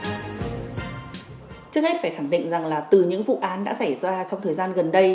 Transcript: trước hết phải khẳng định rằng là từ những vụ án đã xảy ra trong thời gian gần đây